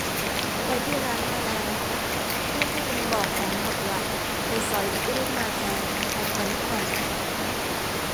ไปที่ร้านมาแล้ว รุ่นที่มึงบอกของหมดว่ะ เลยสอยอีกรุ่นมาแทน แพงกว่านิดหน่อย